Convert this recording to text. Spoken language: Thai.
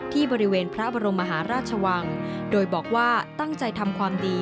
ที่บริเวณพระบรมมหาราชวังโดยบอกว่าตั้งใจทำความดี